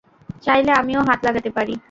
চাইলে আমিও হাত লাগাতে পারি।